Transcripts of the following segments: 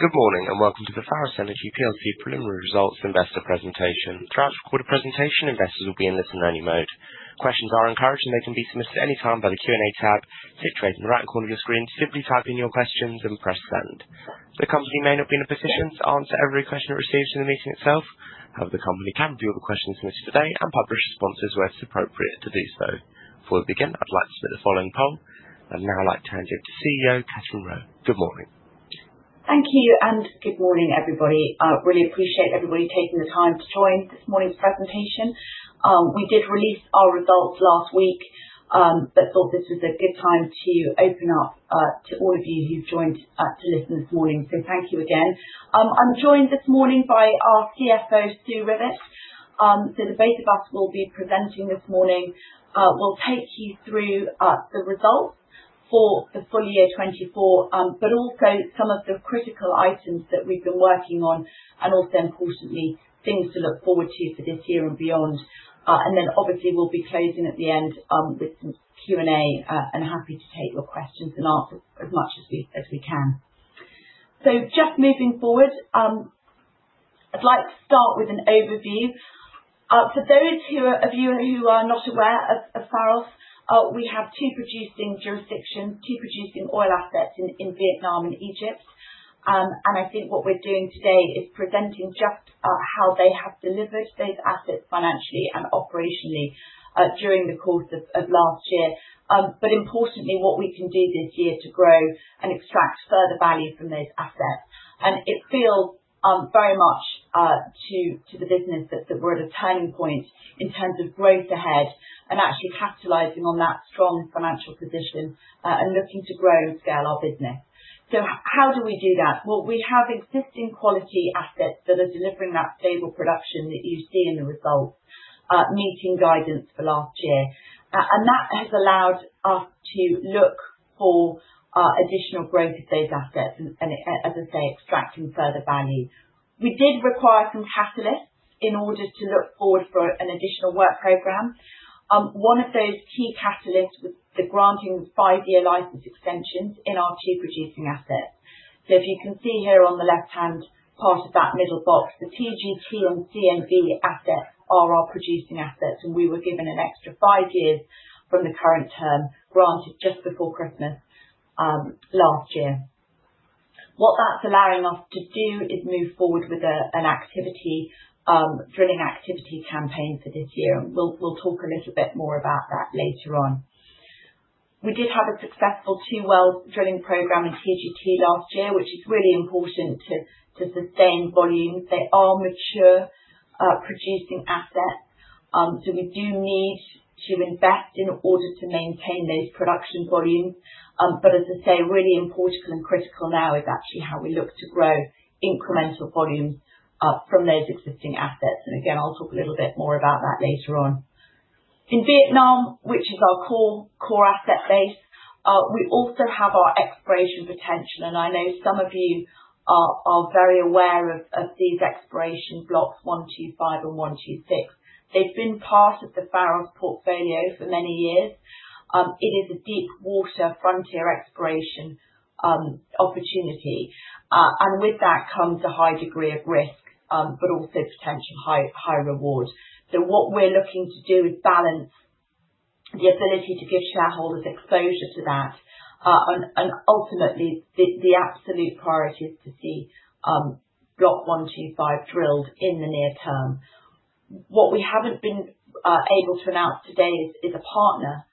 Good morning and welcome to the Pharos Energy PLC preliminary results investor presentation. Throughout the recorded presentation, investors will be in listen-only mode. Questions are encouraged, and they can be submitted at any time by the Q&A tab situated in the right corner of your screen. Simply type in your questions and press send. The company may not be in a position to answer every question it receives in the meeting itself; however, the company can review all the questions submitted today and publish responses where it's appropriate to do so. Before we begin, I'd like to submit the following poll, and I'd now like to hand you over to CEO Katherine Roe. Good morning. Thank you and good morning, everybody. I really appreciate everybody taking the time to join this morning's presentation. We did release our results last week, but thought this was a good time to open up to all of you who've joined to listen this morning. So thank you again. I'm joined this morning by our CFO, Sue Rivett. So the both of us will be presenting this morning. We'll take you through the results for the full year 2024, but also some of the critical items that we've been working on, and also importantly, things to look forward to for this year and beyond, and then obviously, we'll be closing at the end with some Q&A, and happy to take your questions and answers as much as we can. So just moving forward, I'd like to start with an overview. For those of you who are not aware of Pharos, we have two producing jurisdictions, two producing oil assets in Vietnam and Egypt, and I think what we're doing today is presenting just how they have delivered those assets financially and operationally during the course of last year, but importantly, what we can do this year to grow and extract further value from those assets, and it feels very much to the business that we're at a turning point in terms of growth ahead and actually capitalizing on that strong financial position and looking to grow and scale our business, so how do we do that? Well, we have existing quality assets that are delivering that stable production that you see in the results, meeting guidance for last year, and that has allowed us to look for additional growth of those assets and, as I say, extracting further value. We did require some catalysts in order to look forward for an additional work program. One of those key catalysts was the granting of five-year license extensions in our two producing assets. So if you can see here on the left-hand part of that middle box, the TGT and CNV assets are our producing assets, and we were given an extra five years from the current term granted just before Christmas last year. What that's allowing us to do is move forward with a drilling activity campaign for this year. We'll talk a little bit more about that later on. We did have a successful two-well drilling program in TGT last year, which is really important to sustain volumes. They are mature producing assets, so we do need to invest in order to maintain those production volumes. But as I say, really important and critical now is actually how we look to grow incremental volumes from those existing assets. And again, I'll talk a little bit more about that later on. In Vietnam, which is our core asset base, we also have our exploration potential. And I know some of you are very aware of these exploration blocks, 125 and 126. They've been part of the Pharos portfolio for many years. It is a deepwater frontier exploration opportunity. And with that comes a high degree of risk, but also potential high reward. So what we're looking to do is balance the ability to give shareholders exposure to that. And ultimately, the absolute priority is to see Block 125 drilled in the near term. What we haven't been able to announce today is a partner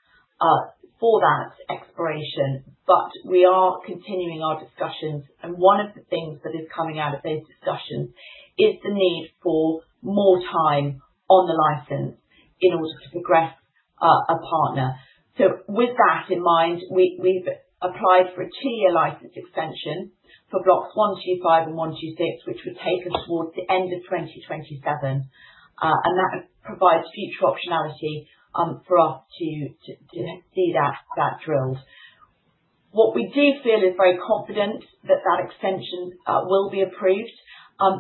for that exploration, but we are continuing our discussions. One of the things that is coming out of those discussions is the need for more time on the license in order to progress a partner. With that in mind, we've applied for a two-year license extension for Blocks 125 and 126, which would take us towards the end of 2027. That provides future optionality for us to see that drilled. What we do feel is very confident that that extension will be approved,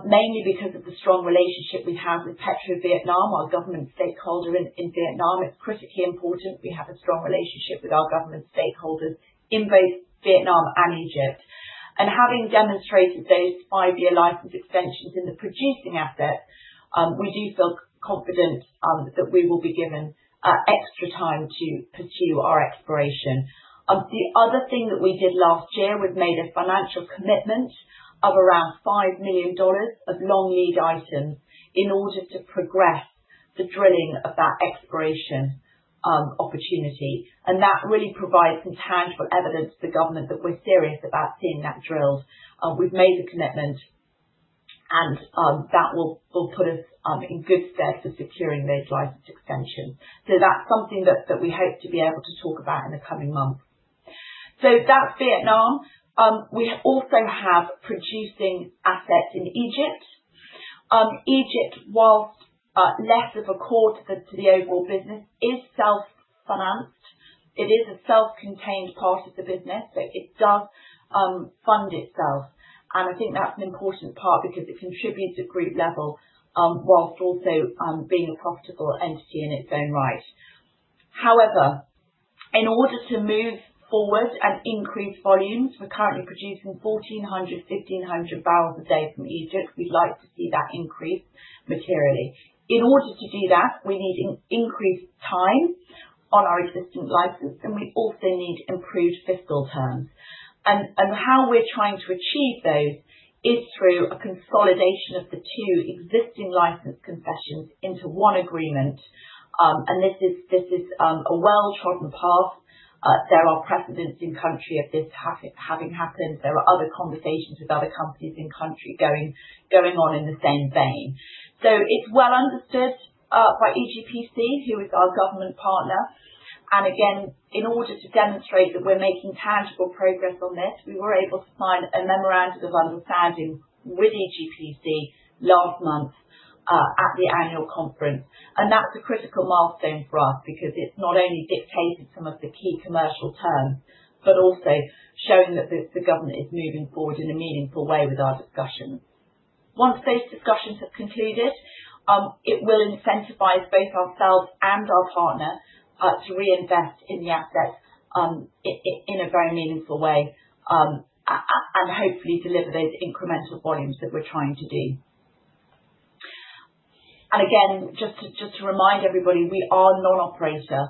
mainly because of the strong relationship we have with PetroVietnam, our government stakeholder in Vietnam. It's critically important we have a strong relationship with our government stakeholders in both Vietnam and Egypt. Having demonstrated those five-year license extensions in the producing assets, we do feel confident that we will be given extra time to pursue our exploration. The other thing that we did last year was made a financial commitment of around $5 million of long lead items in order to progress the drilling of that exploration opportunity. That really provides some tangible evidence to the government that we're serious about seeing that drilled. We've made the commitment, and that will put us in good stead for securing those license extensions. That's something that we hope to be able to talk about in the coming months. That's Vietnam. We also have producing assets in Egypt. Egypt, while less of a core to the overall business, is self-financed. It is a self-contained part of the business, so it does fund itself. I think that's an important part because it contributes at group level while also being a profitable entity in its own right. However, in order to move forward and increase volumes, we're currently producing 1,400-1,500 bbl a day from Egypt. We'd like to see that increase materially. In order to do that, we need increased time on our existing license, and we also need improved fiscal terms. How we're trying to achieve those is through a consolidation of the two existing license concessions into one agreement. This is a well-trodden path. There are precedents in country of this having happened. There are other conversations with other companies in country going on in the same vein. It's well understood by EGPC, who is our government partner. Again, in order to demonstrate that we're making tangible progress on this, we were able to sign a memorandum of understanding with EGPC last month at the annual conference. That's a critical milestone for us because it's not only dictated some of the key commercial terms, but also showing that the government is moving forward in a meaningful way with our discussions. Once those discussions have concluded, it will incentivize both ourselves and our partner to reinvest in the assets in a very meaningful way and hopefully deliver those incremental volumes that we're trying to do. Again, just to remind everybody, we are non-operator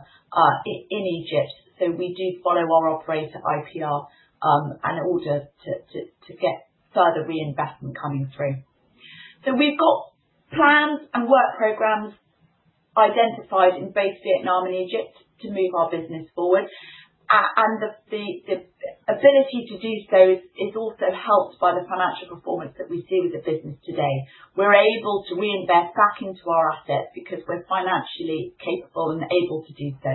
in Egypt, so we do follow our operator IPR in order to get further reinvestment coming through. We've got plans and work programs identified in both Vietnam and Egypt to move our business forward. The ability to do so is also helped by the financial performance that we see with the business today. We're able to reinvest back into our assets because we're financially capable and able to do so.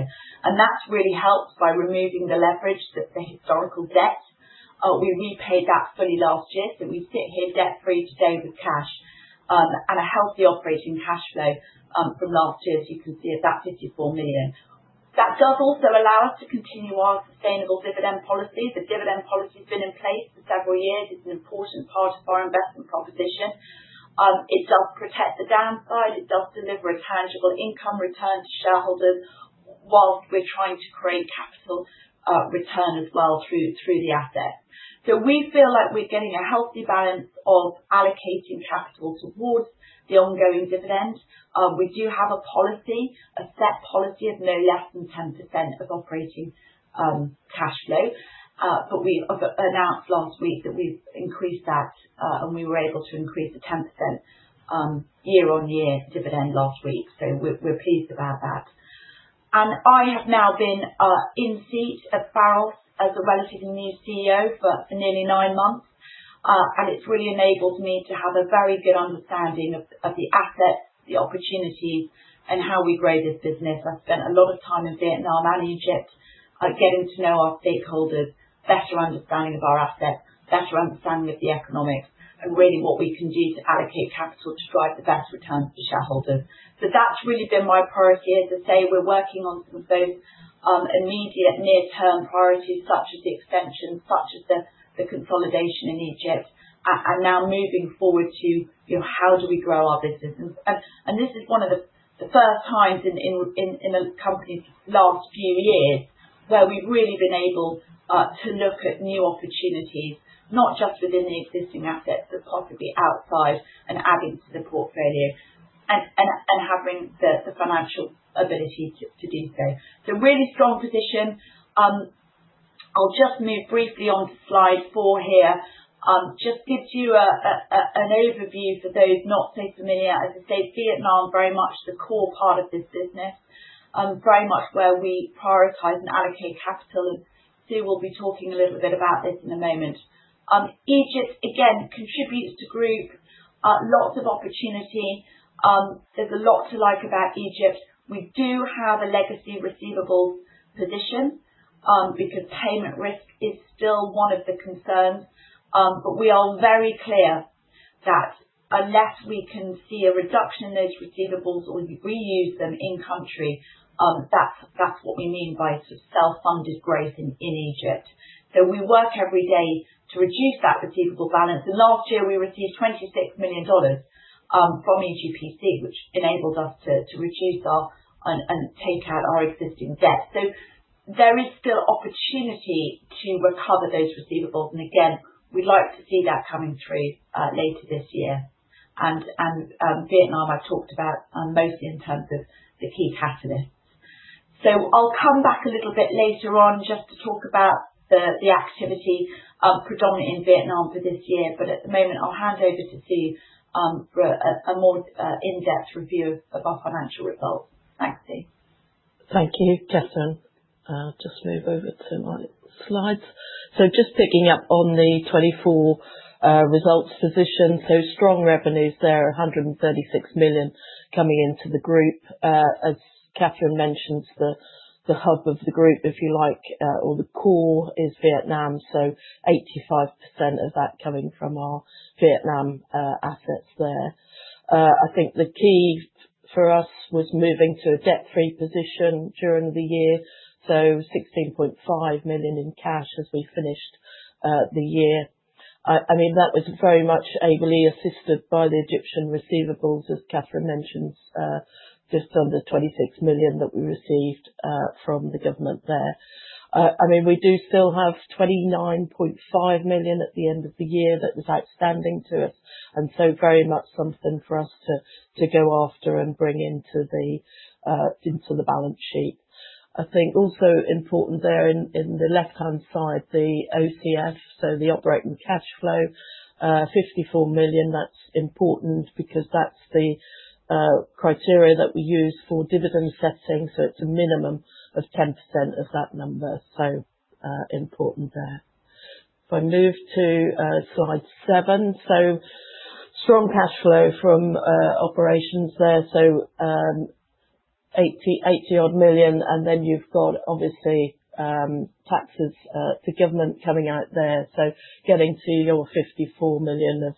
That's really helped by removing the leverage that the historical debt—we repaid that fully last year, so we sit here debt-free today with cash and a healthy operating cash flow from last year, as you can see, of that $54 million. That does also allow us to continue our sustainable dividend policy. The dividend policy has been in place for several years. It's an important part of our investment proposition. It does protect the downside. It does deliver a tangible income return to shareholders whilst we're trying to create capital return as well through the assets. We feel like we're getting a healthy balance of allocating capital towards the ongoing dividend. We do have a policy, a set policy of no less than 10% of operating cash flow. But we announced last week that we've increased that, and we were able to increase the 10% year-on-year dividend last week. So we're pleased about that. And I have now been in seat at Pharos as a relatively new CEO for nearly nine months. And it's really enabled me to have a very good understanding of the assets, the opportunities, and how we grow this business. I've spent a lot of time in Vietnam and Egypt getting to know our stakeholders, better understanding of our assets, better understanding of the economics, and really what we can do to allocate capital to drive the best returns for shareholders. So that's really been my priority. As I say, we're working on some of those immediate near-term priorities, such as the extensions, such as the consolidation in Egypt, and now moving forward to how do we grow our business. And this is one of the first times in a company's last few years where we've really been able to look at new opportunities, not just within the existing assets, but possibly outside and adding to the portfolio and having the financial ability to do so. So really strong position. I'll just move briefly on to slide four here. Just gives you an overview for those not so familiar. As I say, Vietnam is very much the core part of this business, very much where we prioritize and allocate capital. And Sue will be talking a little bit about this in a moment. Egypt, again, contributes to group. Lots of opportunity. There's a lot to like about Egypt. We do have a legacy receivables position because payment risk is still one of the concerns. But we are very clear that unless we can see a reduction in those receivables or reuse them in country, that's what we mean by sort of self-funded growth in Egypt. So we work every day to reduce that receivable balance. And last year, we received $26 million from EGPC, which enabled us to reduce and take out our existing debt. So there is still opportunity to recover those receivables. And again, we'd like to see that coming through later this year. And Vietnam, I've talked about mostly in terms of the key catalysts. So I'll come back a little bit later on just to talk about the activity predominantly in Vietnam for this year. But at the moment, I'll hand over to Sue for a more in-depth review of our financial results. Thanks, Sue. Thank you, Katherine. I'll just move over to my slides. So just picking up on the 24 results position, so strong revenues there, $136 million coming into the group. As Katherine mentioned, the hub of the group, if you like, or the core is Vietnam. So 85% of that coming from our Vietnam assets there. I think the key for us was moving to a debt-free position during the year. So $16.5 million in cash as we finished the year. I mean, that was very much ably assisted by the Egyptian receivables, as Katherine mentioned, just under $26 million that we received from the government there. I mean, we do still have $29.5 million at the end of the year that was outstanding to us. And so very much something for us to go after and bring into the balance sheet. I think also important there in the left-hand side, the OCF, so the operating cash flow, $54 million. That's important because that's the criteria that we use for dividend setting. So it's a minimum of 10% of that number. So important there. If I move to slide seven, so strong cash flow from operations there. So $80-odd million. And then you've got, obviously, taxes to government coming out there. So getting to your $54 million of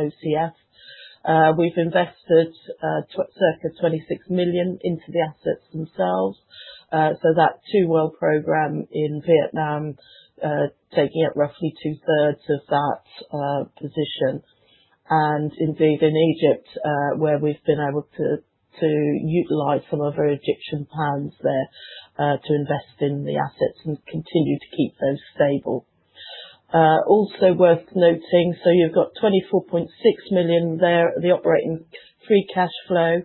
OCF. We've invested circa $26 million into the assets themselves. So that two well program in Vietnam taking up roughly two-thirds of that position. And indeed, in Egypt, where we've been able to utilize some of our Egyptian pounds there to invest in the assets and continue to keep those stable. Also worth noting, so you've got $24.6 million there, the operating free cash flow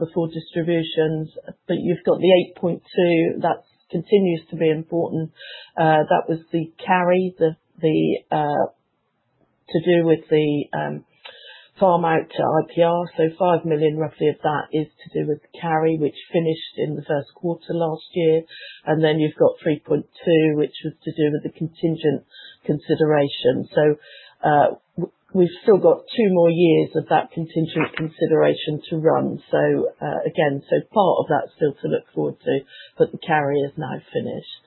before distributions. But you've got the $8.2. That continues to be important. That was the carry to do with the farm out to IPR. So $5 million, roughly, of that is to do with the carry, which finished in the first quarter last year. And then you've got $3.2, which was to do with the contingent consideration. So we've still got two more years of that contingent consideration to run. So again, so part of that still to look forward to, but the carry is now finished.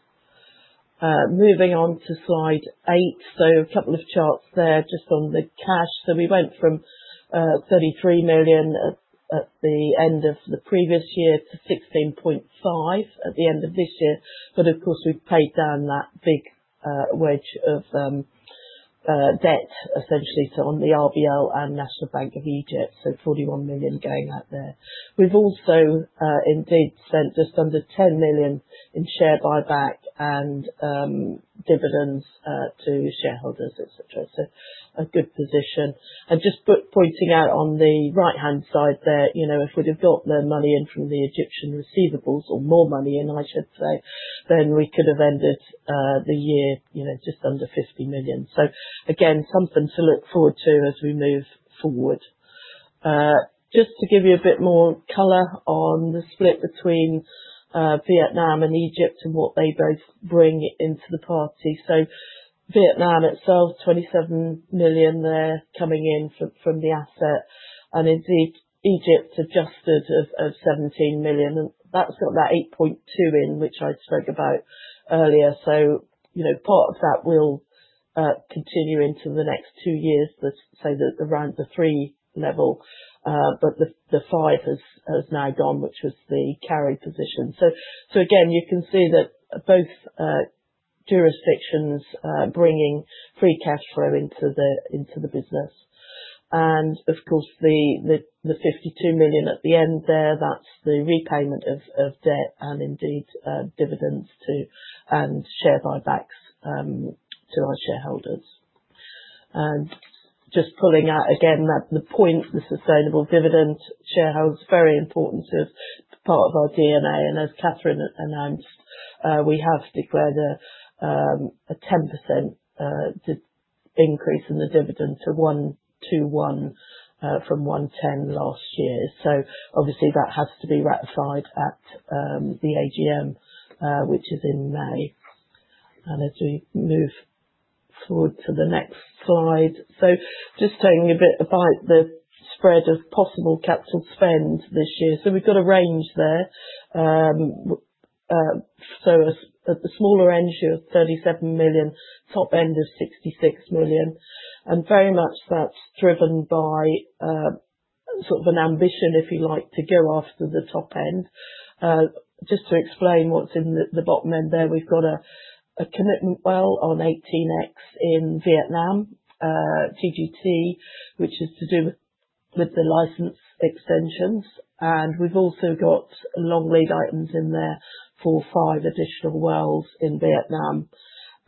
Moving on to slide eight. So a couple of charts there just on the cash. So we went from $33 million at the end of the previous year to $16.5 million at the end of this year. But of course, we've paid down that big wedge of debt, essentially, on the RBL and National Bank of Egypt. So $41 million going out there. We've also indeed spent just under $10 million in share buyback and dividends to shareholders, etc. So a good position. And just pointing out on the right-hand side there, if we'd have got the money in from the Egyptian receivables or more money in, I should say, then we could have ended the year just under $50 million. So again, something to look forward to as we move forward. Just to give you a bit more color on the split between Vietnam and Egypt and what they both bring into the party. So Vietnam itself, $27 million there coming in from the asset. And indeed, Egypt adjusted of $17 million. And that's got that $8.2 million in, which I spoke about earlier. Part of that will continue into the next two years, say the three level. But the five has now gone, which was the carry position. Again, you can see that both jurisdictions bringing free cash flow into the business. Of course, the $52 million at the end there, that's the repayment of debt and indeed dividends and share buybacks to our shareholders. Just pulling out again, the point, the sustainable dividend shareholders, very important to part of our DNA. As Katherine announced, we have declared a 10% increase in the dividend to 121 from 110 last year. Obviously, that has to be ratified at the AGM, which is in May. As we move forward to the next slide. Just telling you a bit about the spread of possible capital spend this year. We've got a range there. So a smaller end here of $37 million, top end of $66 million. And very much that's driven by sort of an ambition, if you like, to go after the top end. Just to explain what's in the bottom end there, we've got a commitment well on 18X in Vietnam, TGT, which is to do with the license extensions. And we've also got long lead items in there for five additional wells in Vietnam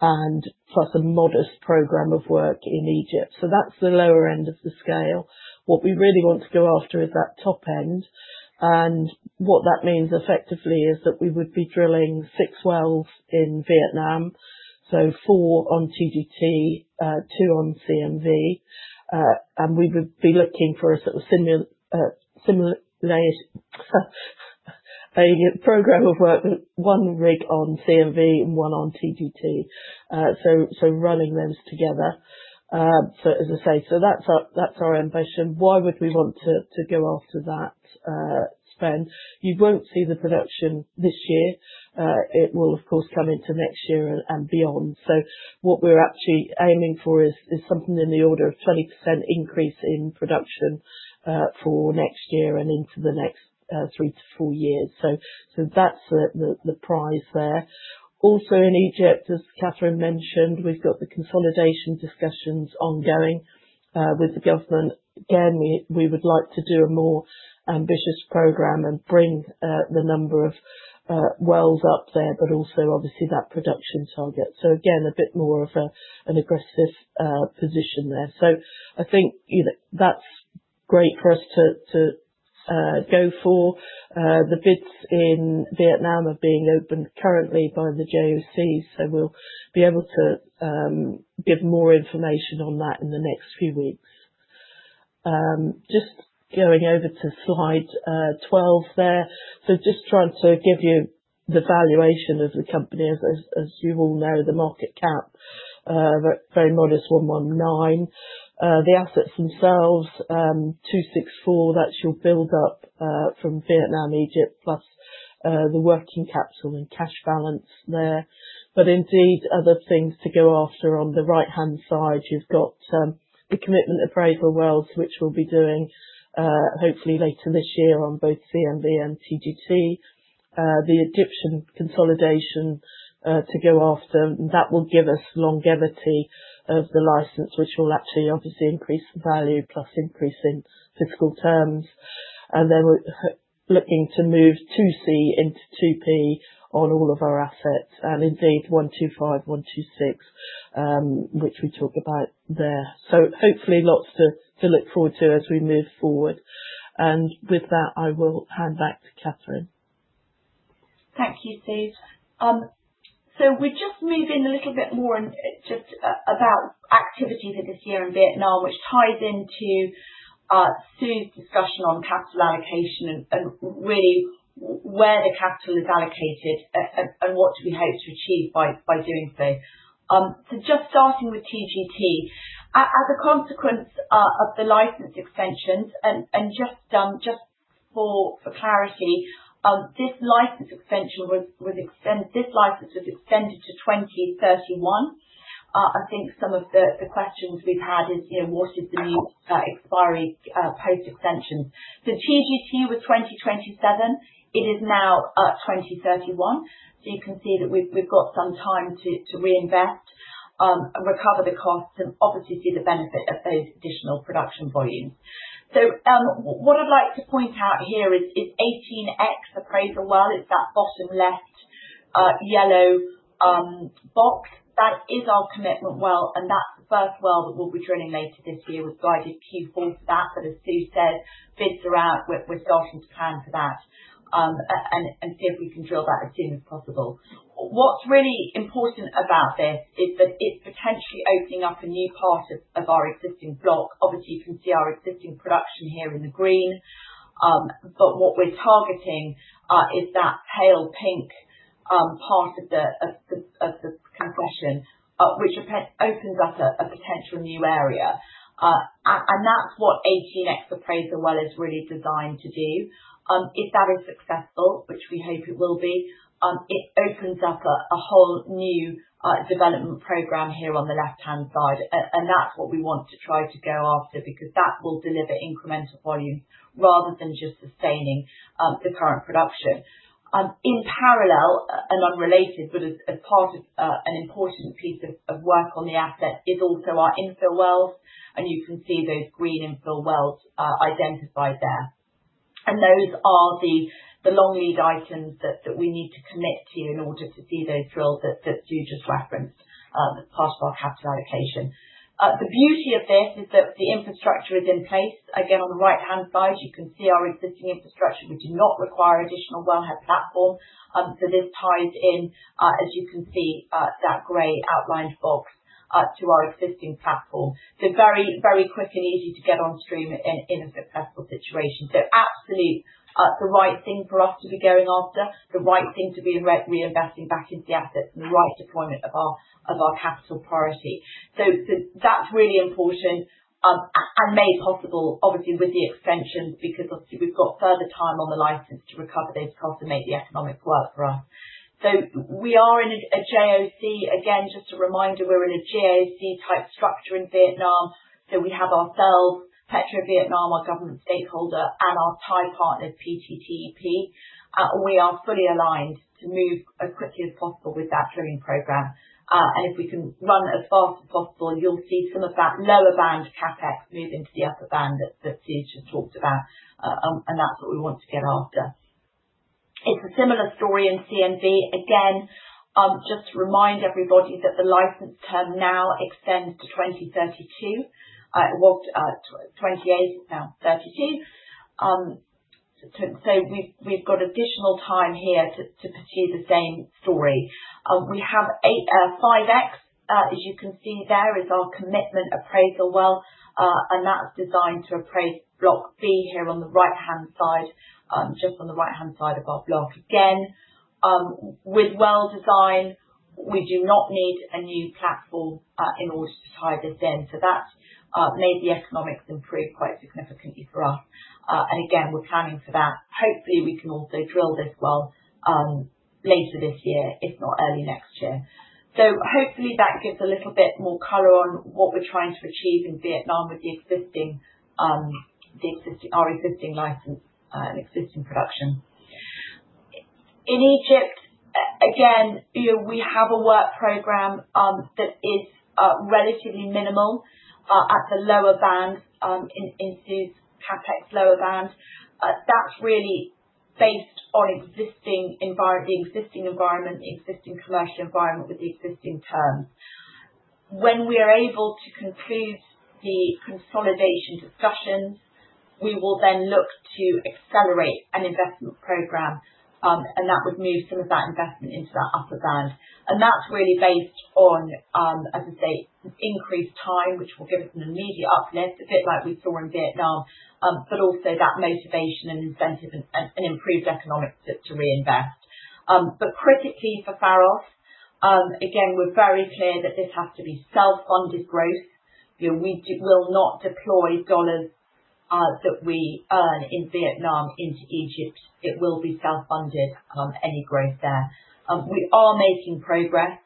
and plus a modest program of work in Egypt. So that's the lower end of the scale. What we really want to go after is that top end. And what that means effectively is that we would be drilling six wells in Vietnam. So four on TGT, two on CNV. And we would be looking for a sort of simultaneous program of work with one rig on CNV and one on TGT. So running those together. So as I say, so that's our ambition. Why would we want to go after that spend? You won't see the production this year. It will, of course, come into next year and beyond. So what we're actually aiming for is something in the order of 20% increase in production for next year and into the next three-to-four years. So that's the prize there. Also in Egypt, as Katherine mentioned, we've got the consolidation discussions ongoing with the government. Again, we would like to do a more ambitious program and bring the number of wells up there, but also, obviously, that production target. So again, a bit more of an aggressive position there. So I think that's great for us to go for. The bids in Vietnam are being opened currently by the JOC, so we'll be able to give more information on that in the next few weeks. Just going over to slide 12 there. So just trying to give you the valuation of the company. As you all know, the market cap, very modest, 119. The assets themselves, 264, that's your build-up from Vietnam, Egypt, plus the working capital and cash balance there. But indeed, other things to go after. On the right-hand side, you've got the commitment appraisal wells, which we'll be doing hopefully later this year on both CNV and TGT. The Egyptian consolidation to go after, that will give us longevity of the license, which will actually, obviously, increase the value plus increase in fiscal terms. And then we're looking to move 2C into 2P on all of our assets and indeed 125, 126, which we talk about there. So hopefully, lots to look forward to as we move forward. And with that, I will hand back to Katherine. Thank you, Sue. We're just moving a little bit more just about activity for this year in Vietnam, which ties into Sue's discussion on capital allocation and really where the capital is allocated and what do we hope to achieve by doing so. Just starting with TGT, as a consequence of the license extensions, and just for clarity, this license extension was extended to 2031. I think some of the questions we've had is, what is the new expiry post-extensions? So TGT was 2027. It is now 2031. You can see that we've got some time to reinvest, recover the costs, and obviously see the benefit of those additional production volumes. What I'd like to point out here is 18X appraisal well. It's that bottom left yellow box. That is our commitment well. And that's the first well that we'll be drilling later this year with guided Q4 for that. But as Sue said, bids are out. We're starting to plan for that and see if we can drill that as soon as possible. What's really important about this is that it's potentially opening up a new part of our existing block. Obviously, you can see our existing production here in the green. But what we're targeting is that pale pink part of the concession, which opens up a potential new area. And that's what 18X appraisal well is really designed to do. If that is successful, which we hope it will be, it opens up a whole new development program here on the left-hand side. And that's what we want to try to go after because that will deliver incremental volumes rather than just sustaining the current production. In parallel, and unrelated, but as part of an important piece of work on the asset, is also our infill wells. And you can see those green infill wells identified there. And those are the long lead items that we need to commit to in order to see those drills that Sue just referenced as part of our capital allocation. The beauty of this is that the infrastructure is in place. Again, on the right-hand side, you can see our existing infrastructure. We do not require additional wellhead platform. This ties in, as you can see, that gray outlined box to our existing platform. Very, very quick and easy to get on stream in a successful situation. Absolutely the right thing for us to be going after, the right thing to be reinvesting back into the assets and the right deployment of our capital priority. That's really important and made possible, obviously, with the extensions because, obviously, we've got further time on the license to recover those costs and make the economics work for us. We are in a JOC. Again, just a reminder, we're in a JOC type structure in Vietnam. We have ourselves, PetroVietnam, our government stakeholder, and our Thai partner, PTTEP. We are fully aligned to move as quickly as possible with that drilling program. If we can run as fast as possible, you'll see some of that lower band CapEx move into the upper band that Sue's just talked about. That's what we want to get after. It's a similar story in CNV. Again, just to remind everybody that the license term now extends to 2032. Well, 28, no, 32. We've got additional time here to pursue the same story. We have 5X, as you can see there, is our commitment appraisal well. That's designed to appraise Block B here on the right-hand side of our block. Again, with well design, we do not need a new platform in order to tie this in. That's made the economics improve quite significantly for us. We're planning for that. Hopefully, we can also drill this well later this year, if not early next year. So hopefully, that gives a little bit more color on what we're trying to achieve in Vietnam with the existing license and existing production. In Egypt, again, we have a work program that is relatively minimal at the lower band in Sue's CapEx lower band. That's really based on the existing environment, the existing commercial environment with the existing terms. When we are able to conclude the consolidation discussions, we will then look to accelerate an investment program. And that would move some of that investment into that upper band. And that's really based on, as I say, increased time, which will give us an immediate uplift, a bit like we saw in Vietnam, but also that motivation and incentive and improved economics to reinvest. But critically for Pharos, again, we're very clear that this has to be self-funded growth. We will not deploy dollars that we earn in Vietnam into Egypt. It will be self-funded, any growth there. We are making progress.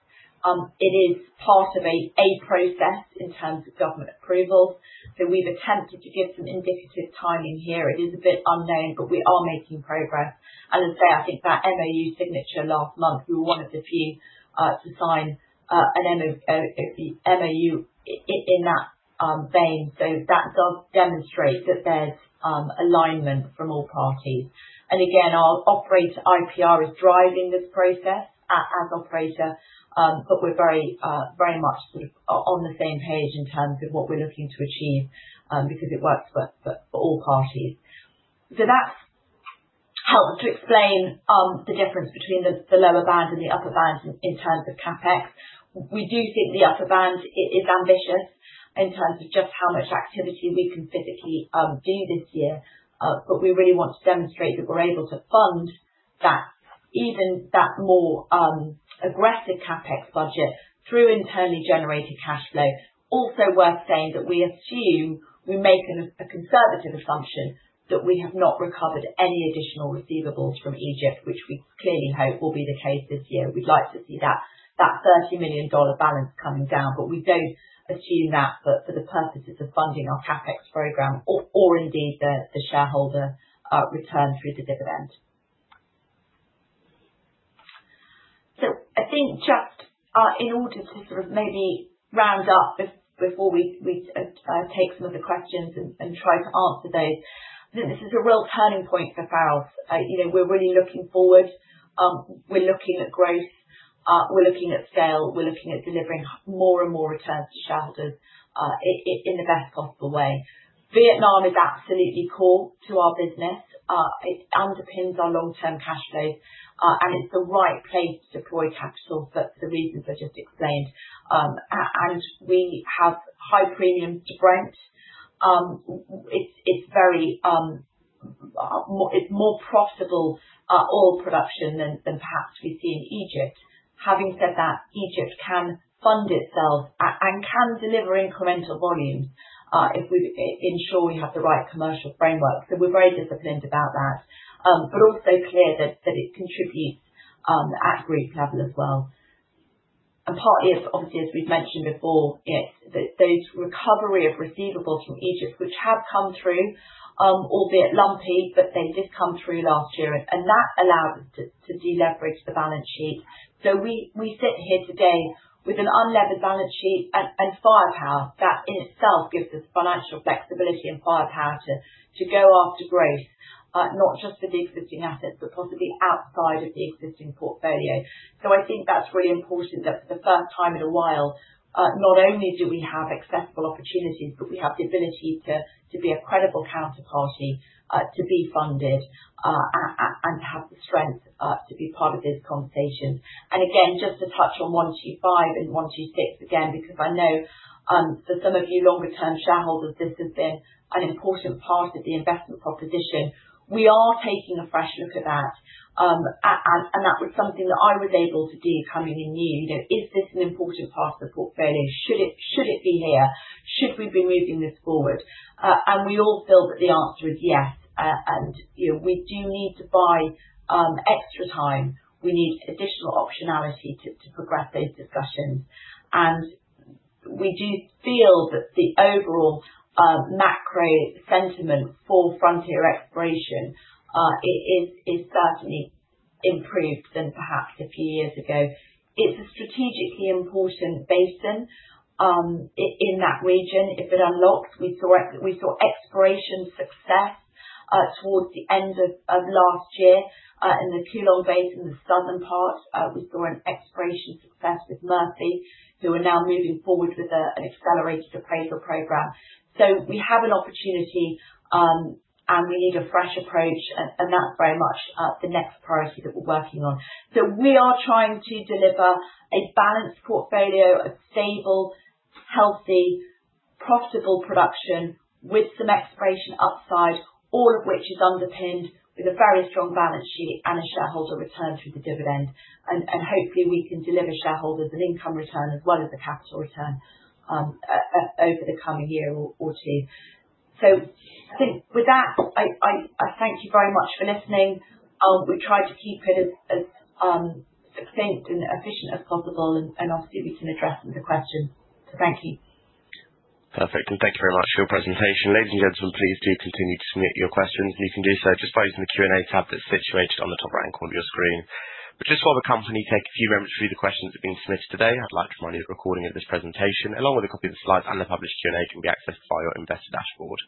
It is part of a process in terms of government approvals. So we've attempted to give some indicative timing here. It is a bit unknown, but we are making progress. And as I say, I think that MOU signature last month, we were one of the few to sign an MOU in that vein. So that does demonstrate that there's alignment from all parties. And again, our operator IPR is driving this process as operator, but we're very much sort of on the same page in terms of what we're looking to achieve because it works for all parties. So that helps to explain the difference between the lower band and the upper band in terms of CapEx. We do think the upper band is ambitious in terms of just how much activity we can physically do this year. But we really want to demonstrate that we're able to fund even that more aggressive CapEx budget through internally generated cash flow. Also worth saying that we assume, we make a conservative assumption, that we have not recovered any additional receivables from Egypt, which we clearly hope will be the case this year. We'd like to see that $30 million balance coming down, but we don't assume that for the purposes of funding our CapEx program or indeed the shareholder return through the dividend. So I think just in order to sort of maybe round up before we take some of the questions and try to answer those, I think this is a real turning point for Pharos. We're really looking forward. We're looking at growth. We're looking at scale. We're looking at delivering more and more returns to shareholders in the best possible way. Vietnam is absolutely core to our business. It underpins our long-term cash flows. It's the right place to deploy capital for the reasons I just explained. We have high premiums to Brent. It's more profitable oil production than perhaps we see in Egypt. Having said that, Egypt can fund itself and can deliver incremental volumes if we ensure we have the right commercial framework. We're very disciplined about that, but also clear that it contributes at group level as well. Partly, obviously, as we've mentioned before, those recovery of receivables from Egypt, which have come through, albeit lumpy, but they did come through last year. That allowed us to deleverage the balance sheet. So we sit here today with an unlevered balance sheet and firepower that in itself gives us financial flexibility and firepower to go after growth, not just for the existing assets, but possibly outside of the existing portfolio. So I think that's really important that for the first time in a while, not only do we have accessible opportunities, but we have the ability to be a credible counterparty to be funded and to have the strength to be part of those conversations. And again, just to touch on 125 and 126 again, because I know for some of you longer-term shareholders, this has been an important part of the investment proposition. We are taking a fresh look at that. And that was something that I was able to do coming in new. Is this an important part of the portfolio? Should it be here? Should we be moving this forward? And we all feel that the answer is yes. And we do need to buy extra time. We need additional optionality to progress those discussions. And we do feel that the overall macro sentiment for frontier exploration is certainly improved than perhaps a few years ago. It's a strategically important basin in that region. If it unlocks, we saw exploration success towards the end of last year in the Cuu Long Basin, the southern part. We saw an exploration success with Murphy, who are now moving forward with an accelerated appraisal program. So we have an opportunity, and we need a fresh approach. And that's very much the next priority that we're working on. We are trying to deliver a balanced portfolio of stable, healthy, profitable production with some exploration upside, all of which is underpinned with a very strong balance sheet and a shareholder return through the dividend. And hopefully, we can deliver shareholders an income return as well as a capital return over the coming year or two. So I think with that, I thank you very much for listening. We tried to keep it as succinct and efficient as possible. And obviously, we can address some of the questions. So thank you. Perfect. And thank you very much for your presentation. Ladies and gentlemen, please do continue to submit your questions. And you can do so just by using the Q&A tab that's situated on the top right-hand corner of your screen. But just while the company takes a few moments, the questions have been submitted today. I'd like to remind you that the recording of this presentation, along with a copy of the slides and the published Q&A, can be accessed via your investor dashboard.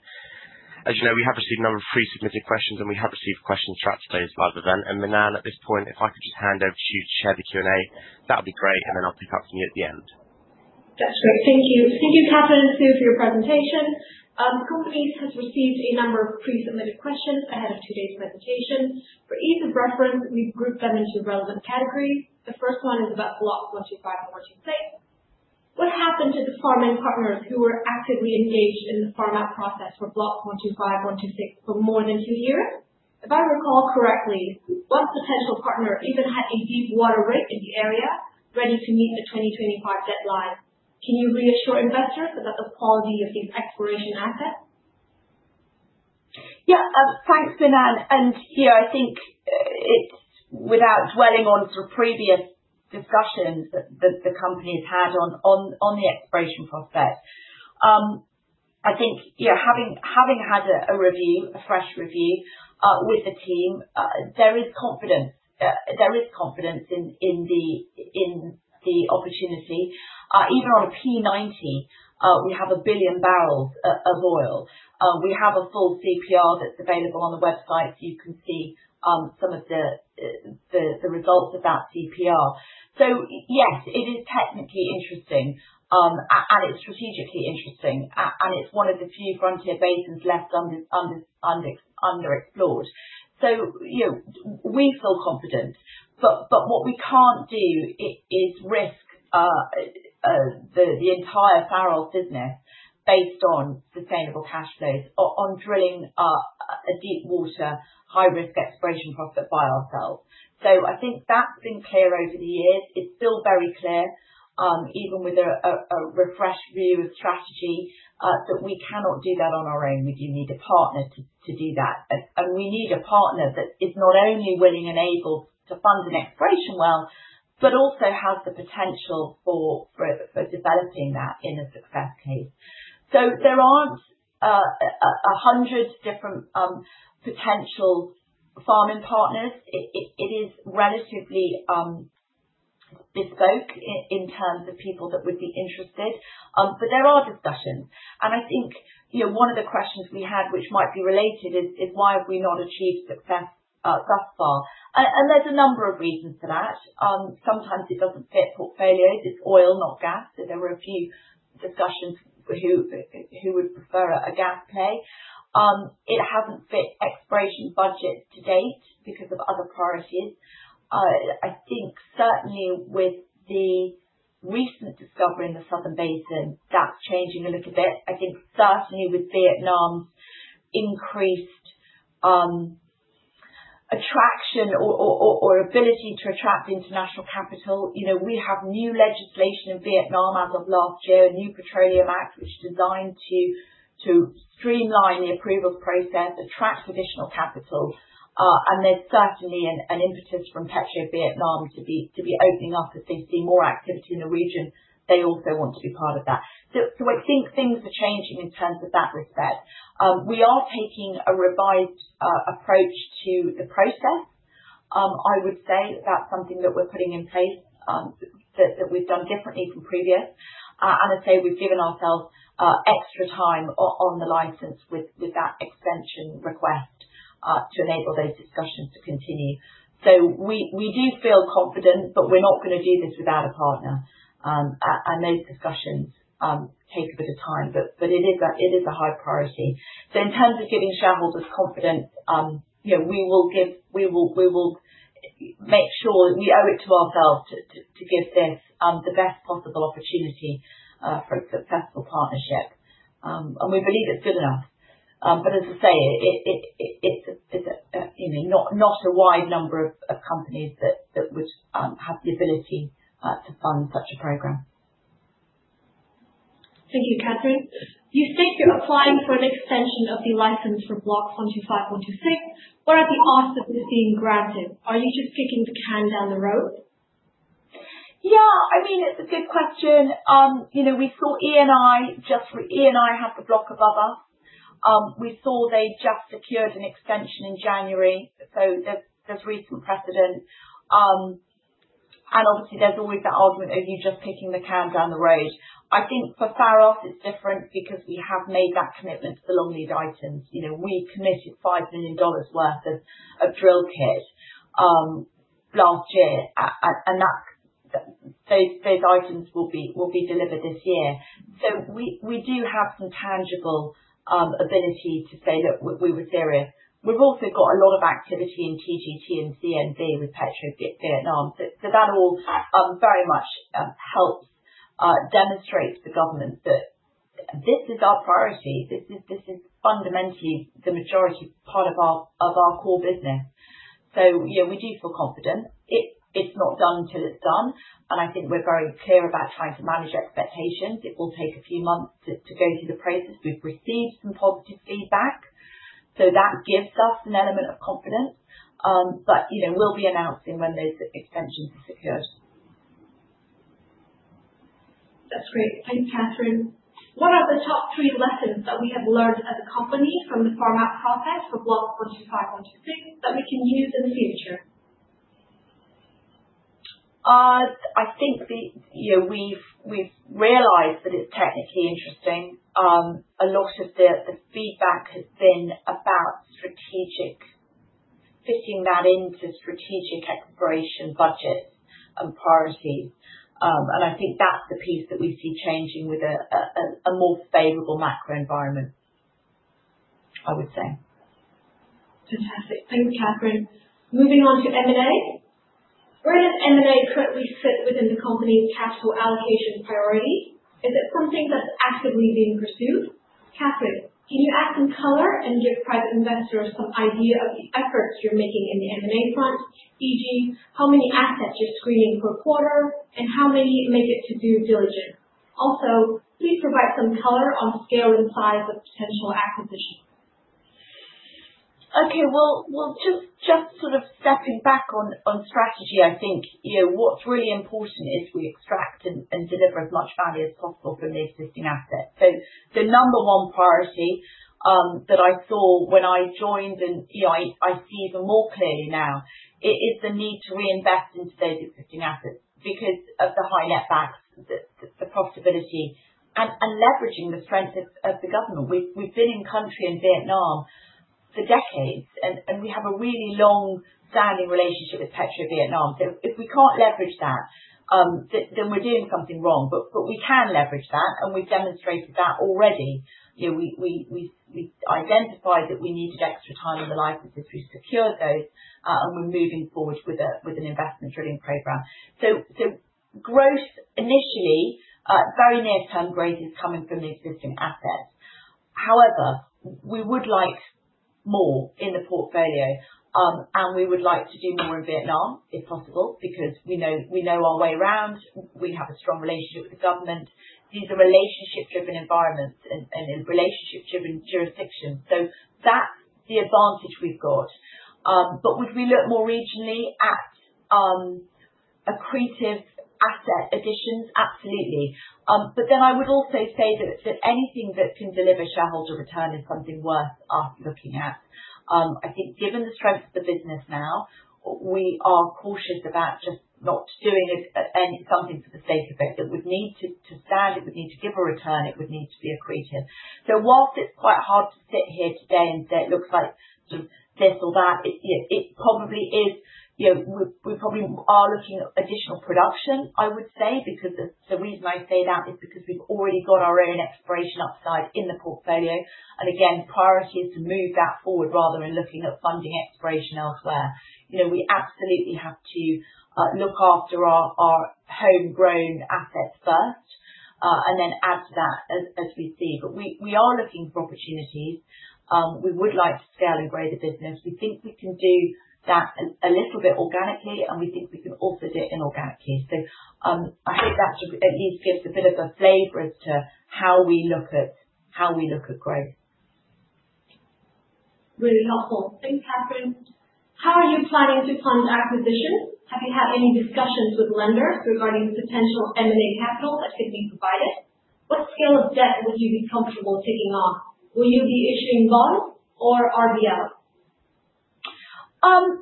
As you know, we have received a number of pre-submitted questions, and we have received questions throughout today's live event, and Manal, at this point, if I could just hand over to you to share the Q&A, that would be great, and then I'll pick up from you at the end. That's great. Thank you. Thank you, Katherine and Sue, for your presentation. The company has received a number of pre-submitted questions ahead of today's presentation. For ease of reference, we've grouped them into relevant categories. The first one is about Block 125 and 126. What happened to the farm-in partners who were actively engaged in the farm-out process for Block 125, 126 for more than two years? If I recall correctly, one potential partner even had a deep water rig in the area ready to meet the 2025 deadline. Can you reassure investors about the quality of these exploration assets? Yeah. Thanks, Manal. And I think it's without dwelling on sort of previous discussions that the company has had on the exploration prospect. I think having had a review, a fresh review with the team, there is confidence. There is confidence in the opportunity. Even on a P90, we have a billion barrels of oil. We have a full CPR that's available on the website, so you can see some of the results of that CPR. So yes, it is technically interesting, and it's strategically interesting. And it's one of the few frontier basins left underexplored. So we feel confident. But what we can't do is risk the entire Pharos business based on sustainable cash flows, on drilling a deep water, high-risk exploration prospect by ourselves. So I think that's been clear over the years. It's still very clear, even with a refreshed view of strategy, that we cannot do that on our own. We do need a partner to do that. And we need a partner that is not only willing and able to fund an exploration well, but also has the potential for developing that in a success case. So there aren't 100 different potential farm-in partners. It is relatively bespoke in terms of people that would be interested. But there are discussions. And I think one of the questions we had, which might be related, is why have we not achieved success thus far? And there's a number of reasons for that. Sometimes it doesn't fit portfolios. It's oil, not gas. So there were a few discussions who would prefer a gas play. It hasn't fit exploration budgets to date because of other priorities. I think certainly with the recent discovery in the southern basin, that's changing a little bit. I think certainly with Vietnam's increased attraction or ability to attract international capital. We have new legislation in Vietnam as of last year, a new Petroleum Act, which is designed to streamline the approval process, attract additional capital. And there's certainly an impetus from PetroVietnam to be opening up. If they see more activity in the region, they also want to be part of that. So I think things are changing in terms of that respect. We are taking a revised approach to the process. I would say that's something that we're putting in place that we've done differently from previous. And I'd say we've given ourselves extra time on the license with that extension request to enable those discussions to continue. So we do feel confident, but we're not going to do this without a partner. And those discussions take a bit of time, but it is a high priority. So in terms of giving shareholders confidence, we will make sure we owe it to ourselves to give this the best possible opportunity for a successful partnership. And we believe it's good enough. But as I say, it's not a wide number of companies that would have the ability to fund such a program. Thank you, Katherine. Do you think you're applying for an extension of the license for blocks 125, 126, or at the ask that is being granted? Are you just kicking the can down the road? Yeah. I mean, it's a good question. We saw Eni just had the block above us. We saw they just secured an extension in January. So there's recent precedent. And obviously, there's always that argument of you just kicking the can down the road. I think for Pharos, it's different because we have made that commitment to the long lead items. We committed $5 million worth of drill kit last year. And those items will be delivered this year. So we do have some tangible ability to say, "Look, we were serious." We've also got a lot of activity in TGT and CNV with PetroVietnam. So that all very much helps, demonstrates to government that this is our priority. This is fundamentally the majority part of our core business. So we do feel confident. It's not done until it's done. And I think we're very clear about trying to manage expectations. It will take a few months to go through the process. We've received some positive feedback. So that gives us an element of confidence. But we'll be announcing when those extensions are secured. That's great. Thanks, Katherine. What are the top three lessons that we have learned as a company from the farm-out process for blocks 125, 126 that we can use in the future? I think we've realized that it's technically interesting. A lot of the feedback has been about strategic fitting that into strategic exploration budgets and priorities. And I think that's the piece that we see changing with a more favorable macro environment, I would say. Fantastic. Thanks, Katherine. Moving on to M&A. Where does M&A currently sit within the company's capital allocation priority? Is it something that's actively being pursued? Katherine, can you add some color and give private investors some idea of the efforts you're making in the M&A front, e.g., how many assets you're screening per quarter, and how many make it to due diligence? Also, please provide some color on scale and size of potential acquisitions. Okay. Well, just sort of stepping back on strategy, I think what's really important is we extract and deliver as much value as possible from the existing assets. So the number one priority that I saw when I joined, and I see even more clearly now, is the need to reinvest into those existing assets because of the high net back, the profitability, and leveraging the strength of the government. We've been in country in Vietnam for decades, and we have a really long-standing relationship with PetroVietnam. So if we can't leverage that, then we're doing something wrong. But we can leverage that, and we've demonstrated that already. We identified that we needed extra time on the licenses. We've secured those, and we're moving forward with an investment drilling program. So gross initially, very near-term growth is coming from the existing assets. However, we would like more in the portfolio, and we would like to do more in Vietnam if possible because we know our way around. We have a strong relationship with the government. These are relationship-driven environments and relationship-driven jurisdictions. So that's the advantage we've got. But would we look more regionally at accretive asset additions? Absolutely. But then I would also say that anything that can deliver shareholder return is something worth us looking at. I think given the strength of the business now, we are cautious about just not doing something for the sake of it. It would need to stand. It would need to give a return. It would need to be accretive. So whilst it's quite hard to sit here today and say it looks like sort of this or that, it probably is. We probably are looking at additional production, I would say, because the reason I say that is because we've already got our own exploration upside in the portfolio. And again, priority is to move that forward rather than looking at funding exploration elsewhere. We absolutely have to look after our homegrown assets first and then add to that as we see. But we are looking for opportunities. We would like to scale and grow the business. We think we can do that a little bit organically, and we think we can also do it inorganically. I think that at least gives a bit of a flavor as to how we look at growth. Really helpful. Thanks, Katherine. How are you planning to fund acquisitions? Have you had any discussions with lenders regarding potential M&A capital that could be provided? What scale of debt would you be comfortable taking on? Will you be issuing bonds or RBL? It is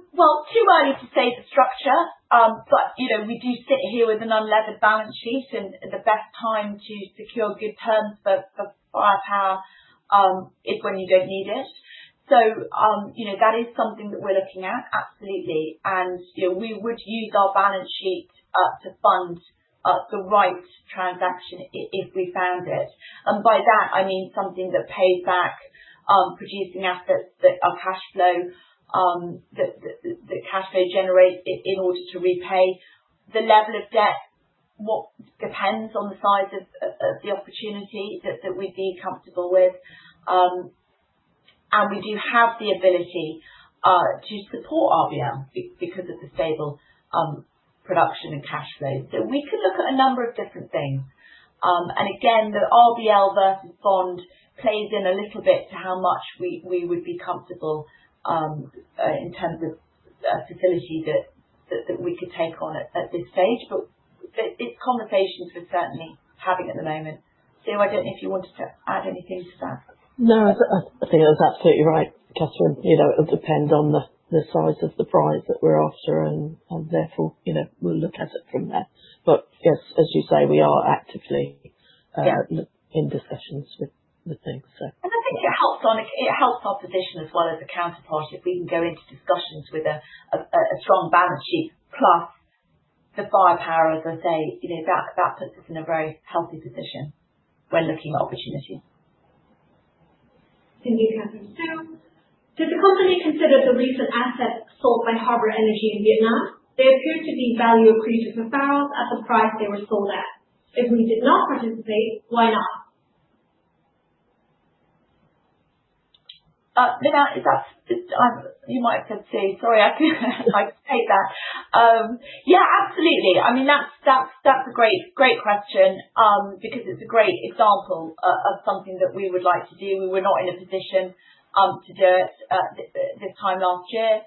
too early to say the structure, but we do sit here with an unlevered balance sheet, and the best time to secure good terms for firepower is when you don't need it. That is something that we're looking at, absolutely. We would use our balance sheet to fund the right transaction if we found it. By that, I mean something that pays back producing assets that our cash flow generates in order to repay. The level of debt depends on the size of the opportunity that we'd be comfortable with, and we do have the ability to support RBL because of the stable production and cash flow, so we could look at a number of different things, and again, the RBL versus bond plays in a little bit to how much we would be comfortable in terms of facility that we could take on at this stage, but it's conversations we're certainly having at the moment. Sue, I don't know if you wanted to add anything to that. No, I think that's absolutely right, Katherine. It'll depend on the size of the prize that we're after, and therefore, we'll look at it from there, but yes, as you say, we are actively in discussions with things, so. I think it helps our position as well as the counterpart if we can go into discussions with a strong balance sheet plus the firepower, as I say. That puts us in a very healthy position when looking at opportunities. Thank you, Katherine. Sue, does the company consider the recent assets sold by Harbour Energy in Vietnam? They appear to be value accretive to Pharos at the price they were sold at. If we did not participate, why not? You might have said Sue. Sorry, I can take that. Yeah, absolutely. I mean, that's a great question because it's a great example of something that we would like to do. We were not in a position to do it this time last year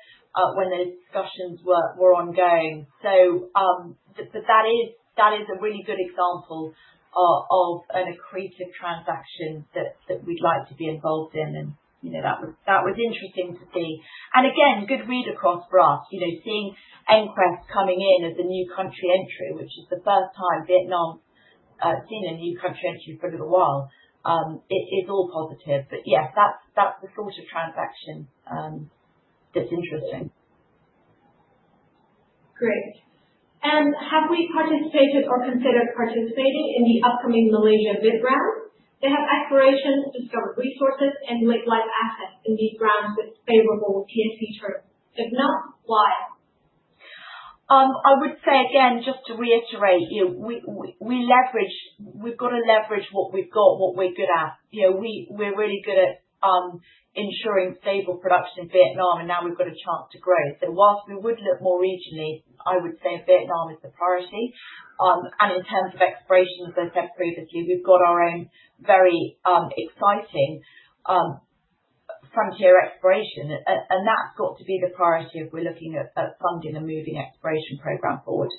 when those discussions were ongoing. But that is a really good example of an accretive transaction that we'd like to be involved in. That was interesting to see. Again, good read across for us. Seeing EnQuest coming in as a new country entry, which is the first time Vietnam's seen a new country entry for a little while, is all positive. But yes, that's the sort of transaction that's interesting. Great. Have we participated or considered participating in the upcoming Malaysia bid round? They have exploration, discovered resources, and late-life assets in these rounds with favorable PSC terms. If not, why? I would say, again, just to reiterate, we've got to leverage what we've got, what we're good at. We're really good at ensuring stable production in Vietnam, and now we've got a chance to grow. Whilst we would look more regionally, I would say Vietnam is the priority. In terms of exploration, as I said previously, we've got our own very exciting frontier exploration. And that's got to be the priority if we're looking at funding a moving exploration program forward.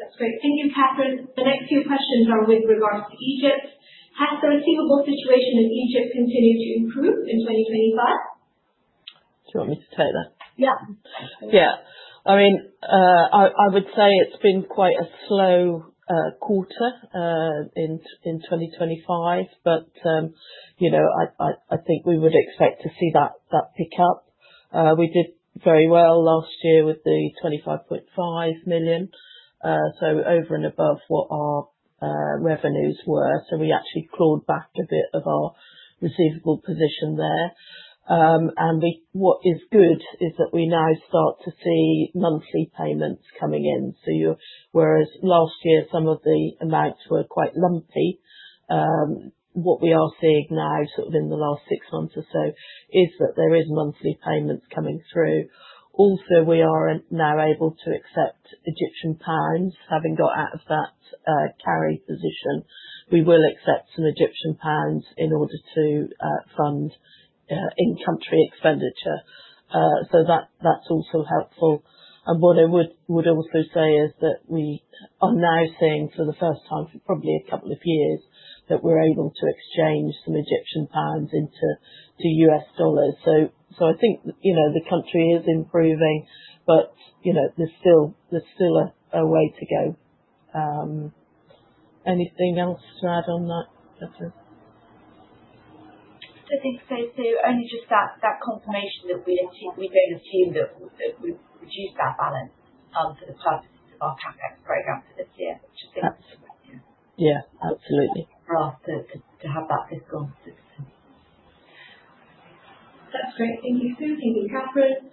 That's great. Thank you, Katherine. The next few questions are with regards to Egypt. Has the receivable situation in Egypt continued to improve in 2025? Do you want me to take that? Yeah. Yeah. I mean, I would say it's been quite a slow quarter in 2025, but I think we would expect to see that pick up. We did very well last year with the $25.5 million. So over and above what our revenues were. So we actually clawed back a bit of our receivable position there. And what is good is that we now start to see monthly payments coming in. So whereas last year, some of the amounts were quite lumpy, what we are seeing now, sort of in the last six months or so, is that there are monthly payments coming through. Also, we are now able to accept Egyptian pounds. Having got out of that carry position, we will accept some Egyptian pounds in order to fund in-country expenditure. So that's also helpful. And what I would also say is that we are now seeing for the first time for probably a couple of years that we're able to exchange some Egyptian pounds into U.S. dollars. So I think the country is improving, but there's still a way to go. Anything else to add on that, Katherine? I think so, Sue. Only just that confirmation that we don't assume that we've reduced that balance for the purposes of our CapEx program for this year, which I think is a good point. Yeah, absolutely. For us to have that discourse. That's great. Thank you. Sue, thank you, Katherine.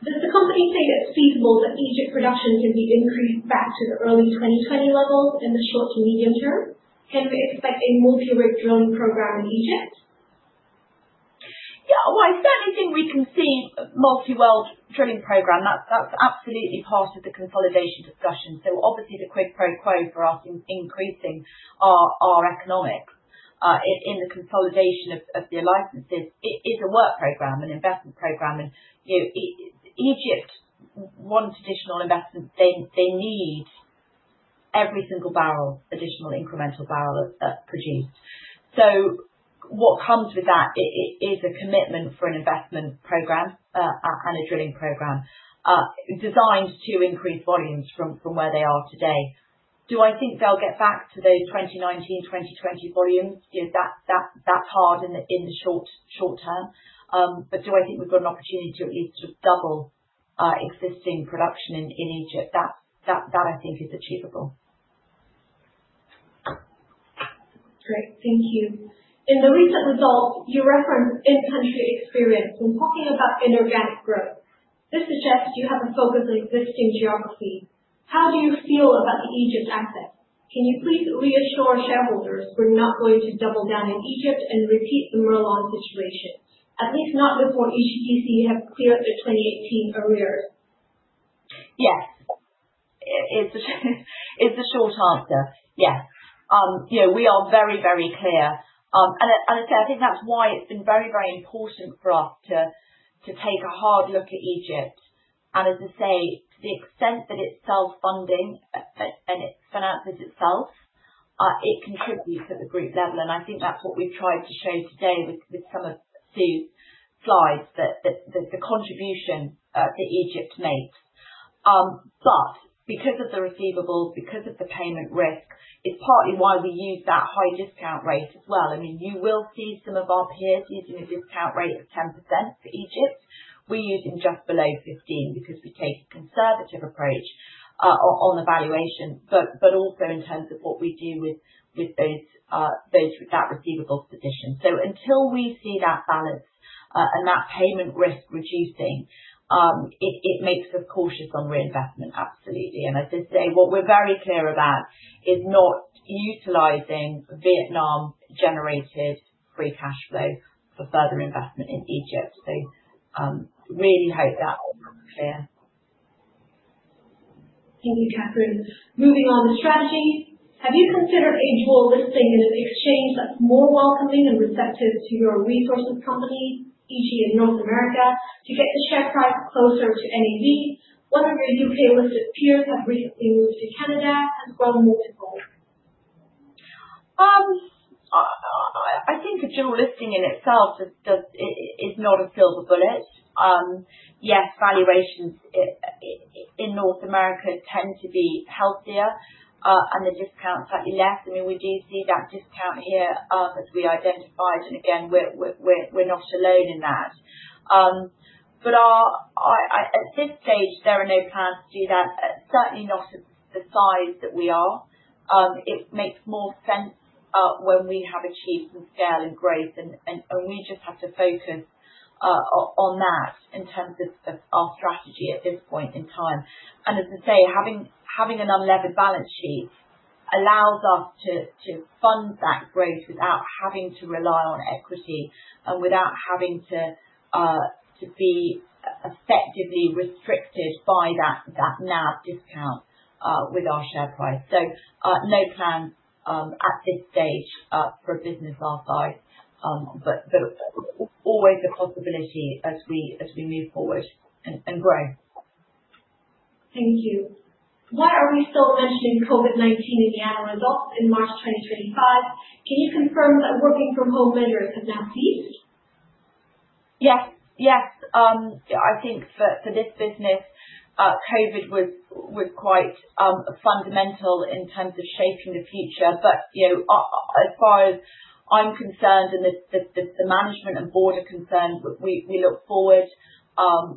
Does the company say it's feasible that Egypt production can be increased back to the early 2020 levels in the short to medium term? Can we expect a multi-well drilling program in Egypt? Yeah. Well, I certainly think we can see a multi-well drilling program. That's absolutely part of the consolidation discussion. So obviously, the quid pro quo for us in increasing our economics in the consolidation of the licenses is a work program, an investment program. And Egypt, one traditional investment, they need every single barrel, additional incremental barrel produced. So what comes with that is a commitment for an investment program and a drilling program designed to increase volumes from where they are today. Do I think they'll get back to those 2019, 2020 volumes? That's hard in the short term. But do I think we've got an opportunity to at least double existing production in Egypt? That, I think, is achievable. Great. Thank you. In the recent results, you referenced in-country experience when talking about inorganic growth. This suggests you have a focus on existing geography. How do you feel about the Egypt assets? Can you please reassure shareholders we're not going to double down in Egypt and repeat the Merlon situation, at least not before EGPC has cleared their 2018 arrears? Yes. It's a short answer. Yes. We are very, very clear. And as I say, I think that's why it's been very, very important for us to take a hard look at Egypt. And as I say, to the extent that it's self-funding and it finances itself, it contributes at the group level. And I think that's what we've tried to show today with some of Sue's slides, the contribution that Egypt makes. But because of the receivables, because of the payment risk, it's partly why we use that high discount rate as well. I mean, you will see some of our peers using a discount rate of 10% for Egypt. We're using just below 15% because we take a conservative approach on the valuation, but also in terms of what we do with that receivable position. So until we see that balance and that payment risk reducing, it makes us cautious on reinvestment, absolutely. And as I say, what we're very clear about is not utilizing Vietnam-generated free cash flow for further investment in Egypt. So really hope that's clear. Thank you, Katherine. Moving on to strategy. Have you considered a dual listing in an exchange that's more welcoming and receptive to your resources company, e.g., in North America, to get the share price closer to NAV? One of your U.K.-listed peers has recently moved to Canada and grown multiple. I think a dual listing in itself is not a silver bullet. Yes, valuations in North America tend to be healthier and the discount slightly less. I mean, we do see that discount here as we identified. And again, we're not alone in that. But at this stage, there are no plans to do that, certainly not at the size that we are. It makes more sense when we have achieved some scale and growth, and we just have to focus on that in terms of our strategy at this point in time. And as I say, having an unlevered balance sheet allows us to fund that growth without having to rely on equity and without having to be effectively restricted by that NAV discount with our share price. So no plans at this stage for a business our size, but always a possibility as we move forward and grow. Thank you. Why are we still mentioning COVID-19 in the annual results in March 2025? Can you confirm that working-from-home measures have now ceased? Yes. Yes. I think for this business, COVID was quite fundamental in terms of shaping the future. But as far as I'm concerned and the management and board are concerned, we look forward.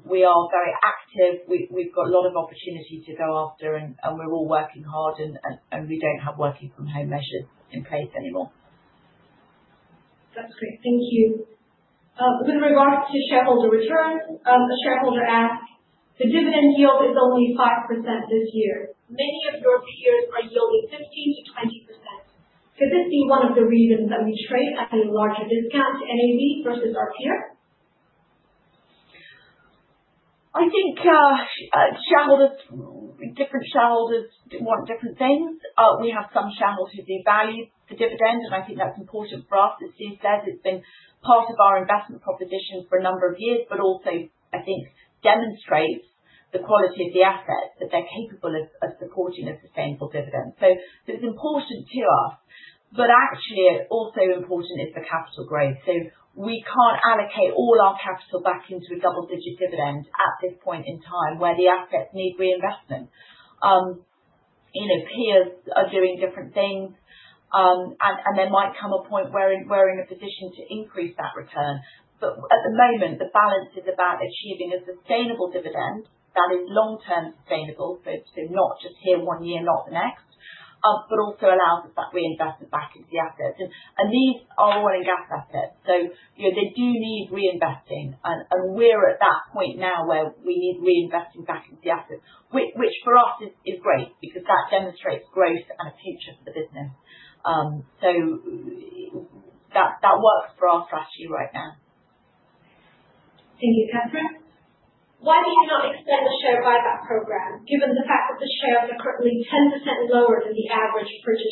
We are very active. We've got a lot of opportunity to go after, and we're all working hard, and we don't have working-from-home measures in place anymore. That's great. Thank you. With regards to shareholder returns, a shareholder asked, "The dividend yield is only 5% this year. Many of your peers are yielding 15%-20%. Could this be one of the reasons that we trade at a larger discount to NAV versus our peer?" I think different shareholders want different things. We have some shareholders who value the dividend, and I think that's important for us. As Sue says it's been part of our investment proposition for a number of years, but also I think demonstrates the quality of the asset that they're capable of supporting a sustainable dividend. So it's important to us, but actually also important is the capital growth. So we can't allocate all our capital back into a double-digit dividend at this point in time where the assets need reinvestment. Peers are doing different things, and there might come a point where we're in a position to increase that return. But at the moment, the balance is about achieving a sustainable dividend that is long-term sustainable, so not just here one year, not the next, but also allows us that reinvestment back into the assets. And these are oil and gas assets. So they do need reinvesting. And we're at that point now where we need reinvesting back into the assets, which for us is great because that demonstrates growth and a future for the business. So that works for our strategy right now. Thank you, Katherine. Why do you not expect the share buyback program, given the fact that the shares are currently 10% lower than the average purchase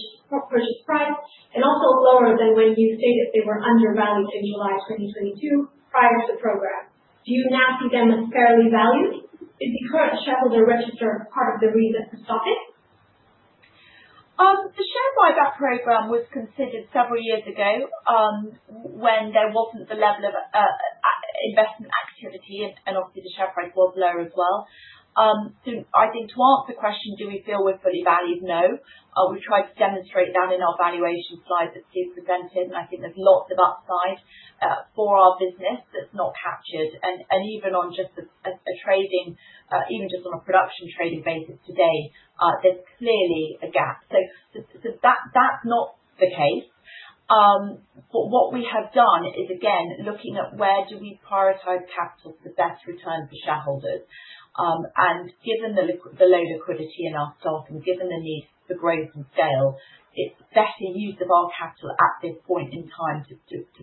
price and also lower than when you stated they were undervalued in July 2022 prior to the program? Do you now see them as fairly valued? Is the current shareholder register part of the reason for stopping? The share buyback program was considered several years ago when there wasn't the level of investment activity, and obviously the share price was lower as well. So I think to answer the question, do we feel we're fully valued? No. We've tried to demonstrate that in our valuation slides that Su presented, and I think there's lots of upside for our business that's not captured. And even on just a trading, even just on a production trading basis today, there's clearly a gap. So that's not the case. But what we have done is, again, looking at where do we prioritize capital for the best return for shareholders. And given the low liquidity in our stocks and given the need for growth and scale, it's better use of our capital at this point in time to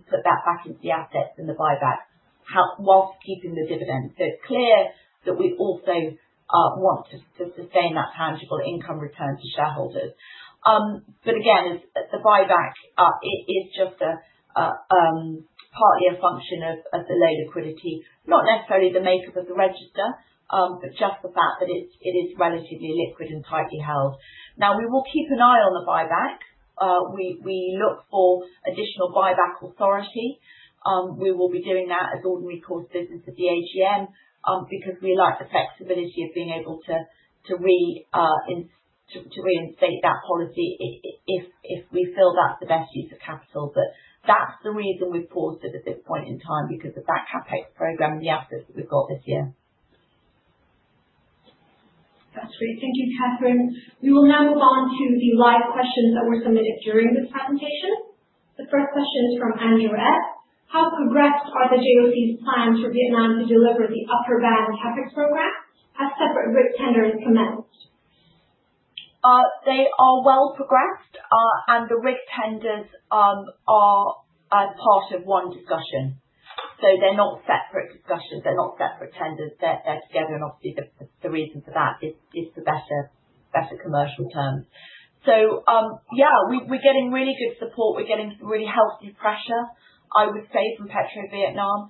put that back into the assets and the buyback whilst keeping the dividend. So it's clear that we also want to sustain that tangible income return to shareholders. But again, the buyback is just partly a function of the low liquidity, not necessarily the makeup of the register, but just the fact that it is relatively liquid and tightly held. Now, we will keep an eye on the buyback. We look for additional buyback authority. We will be doing that as ordinary course business at the AGM because we like the flexibility of being able to reinstate that policy if we feel that's the best use of capital. But that's the reason we've paused it at this point in time because of that CapEx program and the assets that we've got this year. That's great. Thank you, Katherine. We will now move on to the live questions that were submitted during this presentation. The first question is from Andrew S. How progressed are the JOC's plans for Vietnam to deliver the upper-band CapEx program? Have separate rig tenders commenced? They are well progressed, and the rig tenders are part of one discussion. So they're not separate discussions. They're not separate tenders. They're together. And obviously, the reason for that is for better commercial terms. So yeah, we're getting really good support. We're getting really healthy pressure, I would say, from PetroVietnam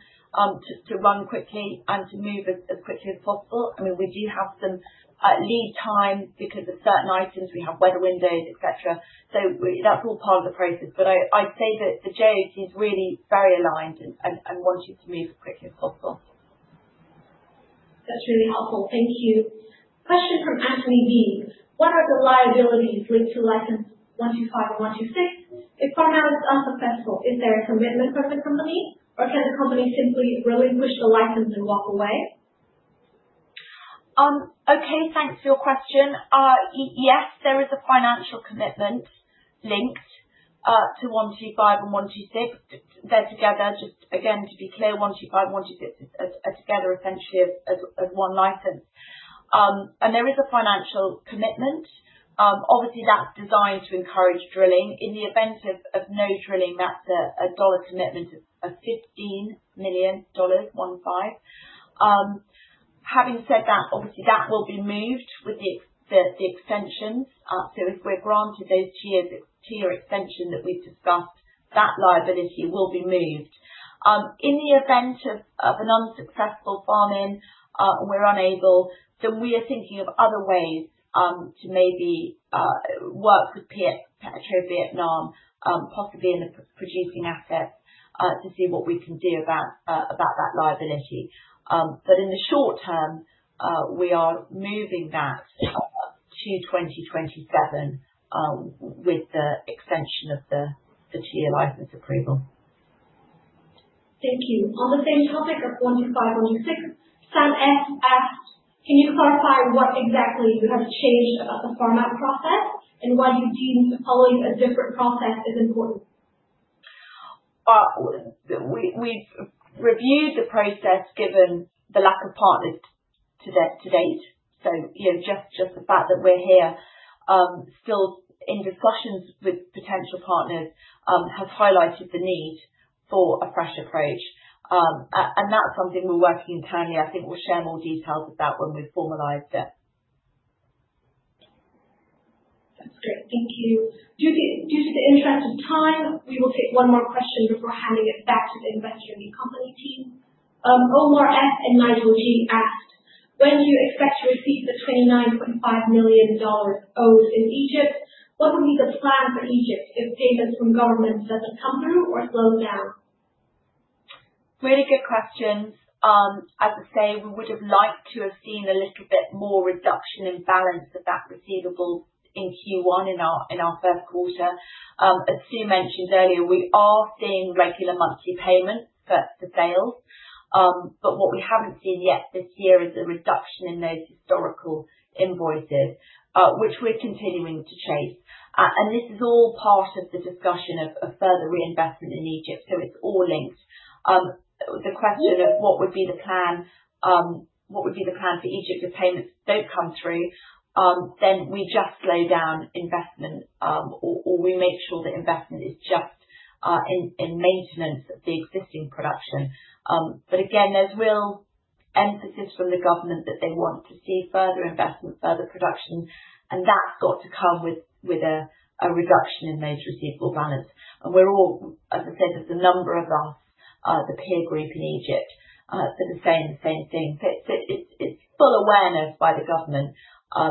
to run quickly and to move as quickly as possible. I mean, we do have some lead time because of certain items. We have weather windows, etc. So that's all part of the process. But I'd say that the JOC is really very aligned and wanting to move as quickly as possible. That's really helpful. Thank you. Question from Anthony V. What are the liabilities linked to License 125 and 126? If farm-out is unsuccessful, is there a commitment from the company, or can the company simply relinquish the license and walk away? Okay. Thanks for your question. Yes, there is a financial commitment linked to 125 and 126. They're together. Just again, to be clear, 125 and 126 are together essentially as one license. And there is a financial commitment. Obviously, that's designed to encourage drilling. In the event of no drilling, that's a dollar commitment of $15 million. Having said that, obviously, that will be moved with the extensions. So if we're granted those term extensions that we've discussed, that liability will be moved. In the event of an unsuccessful farm-out and we're unable, then we are thinking of other ways to maybe work with PetroVietnam, possibly in the producing assets, to see what we can do about that liability. But in the short term, we are moving that to 2027 with the extension of the term license approval. Thank you. On the same topic of 125, 126, Sam S. asked, "Can you clarify what exactly you have changed about the farm-out process and why you deem following a different process is important?" We've reviewed the process given the lack of partners to date. Just the fact that we're here still in discussions with potential partners has highlighted the need for a fresh approach. And that's something we're working internally. I think we'll share more details of that when we've formalized it. That's great. Thank you. Due to the interests of time, we will take one more question before handing it back to the investor and the company team. Omar S. and Nigel G. asked, "When do you expect to receive the $29.5 million owed in Egypt? What will be the plan for Egypt if payments from governments doesn't come through or slow down?" Really good questions. As I say, we would have liked to have seen a little bit more reduction in the balance of those receivables in Q1 in our first quarter. As Sue mentioned earlier, we are seeing regular monthly payments for sales. But what we haven't seen yet this year is a reduction in those historical invoices, which we're continuing to chase. And this is all part of the discussion of further reinvestment in Egypt. So it's all linked. The question of what would be the plan, what would be the plan for Egypt if payments don't come through, then we just slow down investment or we make sure that investment is just in maintenance of the existing production. But again, there's real emphasis from the government that they want to see further investment, further production, and that's got to come with a reduction in those receivables balance. And we're all, as I said, there's a number of us, the peer group in Egypt, that are saying the same thing. So it's full awareness by the government.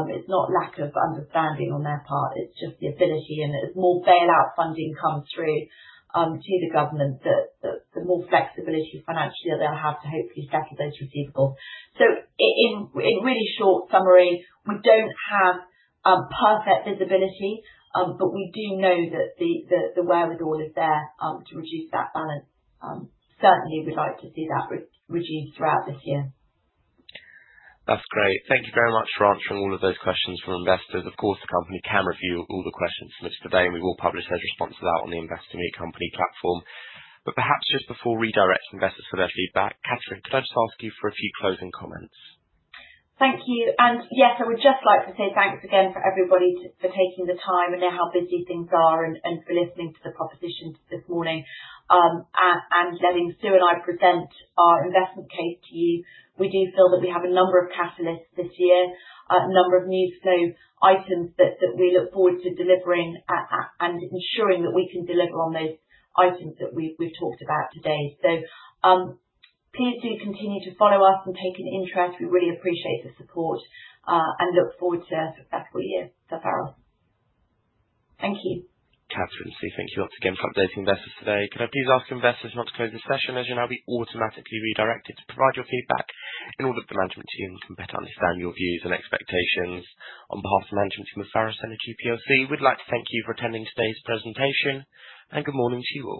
It's not lack of understanding on their part. It's just the ability. And as more bailout funding comes through to the government, the more flexibility financially they'll have to hopefully settle those receivables. So in really short summary, we don't have perfect visibility, but we do know that the wherewithal is there to reduce that balance. Certainly, we'd like to see that reduced throughout this year. That's great. Thank you very much for answering all of those questions from investors. Of course, the company can review all the questions submitted today, and we will publish those responses out on the Investor Meet Company platform. But perhaps just before redirecting investors for their feedback, Katherine, could I just ask you for a few closing comments? Thank you. Yes, I would just like to say thanks again for everybody for taking the time and how busy things are and for listening to the propositions this morning and letting Sue and I present our investment case to you. We do feel that we have a number of catalysts this year, a number of new flow items that we look forward to delivering and ensuring that we can deliver on those items that we've talked about today. So please do continue to follow us and take an interest. We really appreciate the support and look forward to a successful year. So, for us. Thank you. Katherine Roe, thank you once again for updating investors today. Could I please ask investors not to close the session as you'll now be automatically redirected to provide your feedback in order for the management team to better understand your views and expectations. On behalf of the management team of Pharos Energy PLC, we'd like to thank you for attending today's presentation. Good morning to you all.